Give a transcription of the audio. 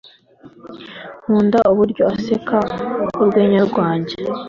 Nkunda uburyo aseka urwenya rwanjye.